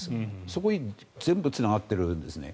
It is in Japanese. そこに全部つながってるんですね。